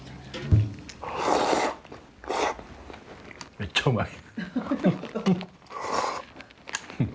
めっちゃうまい。